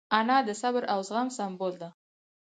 انا د صبر او زغم سمبول ده